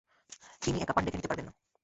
তিনি একা পাণ্ডেকে নিতে পারবেন না।